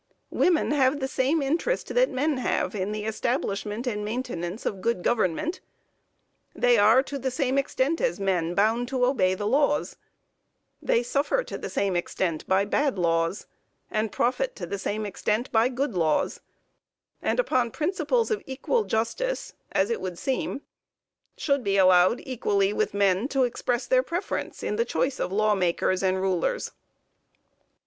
Women have the same interest that men have in the establishment and maintenance of good government; they are to the same extent as men bound to obey the laws; they suffer to the same extent by bad laws, and profit to the same extent by good laws; and upon principles of equal justice, as it would seem, should be allowed equally with men, to express their preference in the choice of law makers and rulers.